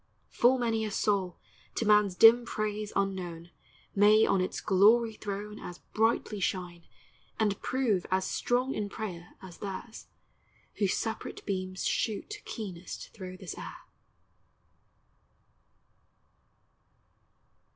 Full many a soul, to man's dim praise unknown, May on its glory throne As brightly shine, and prove as strong in prayer As theirs, whose separate beams shoot keenest thro' this air.